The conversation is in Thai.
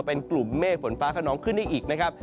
เป็นกลุ่มเมฆฝนฟ้าขนองขึ้นได้อีกนะครับ